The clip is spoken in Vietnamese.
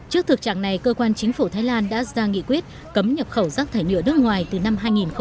trước thực trạng này cơ quan chính phủ thái lan đã ra nghị quyết cấm nhập khẩu rác thải nhựa nước ngoài từ năm hai nghìn một mươi năm